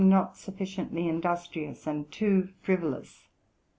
239 not sufficiently industrious, and too frivolous.